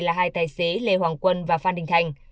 là hai tài xế lê hoàng quân và phan đình thành